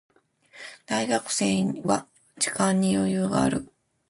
大学生は時間に余裕がある。